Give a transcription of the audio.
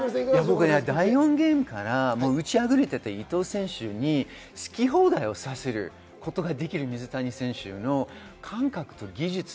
第４ゲームから打ちあぐねていた伊藤選手に好き放題させることができる水谷選手の感覚と技術。